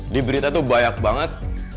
di berita tuh banyak banget